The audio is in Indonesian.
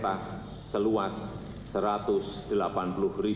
yang keempat telah memiliki infrastruktur yang relatif lengkap dengan kota yang baru ini